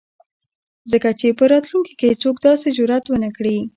ځکه چې په راتلونکي ،کې څوک داسې جرات ونه کړي.